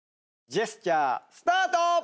ジェスチャースタート！